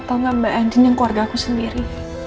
atau nggak mbak andien yang keluarga aku sendiri